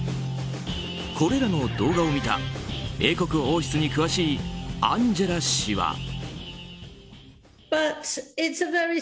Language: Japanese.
これらの動画を見た英国王室に詳しいアンジェラ氏は。